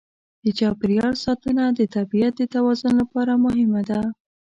د چاپېریال ساتنه د طبیعت د توازن لپاره مهمه ده.